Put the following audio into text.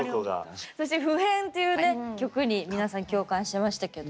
そして「普変」というね曲に皆さん共感していましたけど。